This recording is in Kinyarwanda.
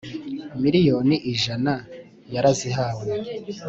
miliyoni ijana yarazihawe